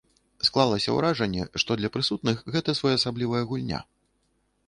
Склалася ўражанне, што для прысутных гэта своеасаблівая гульня.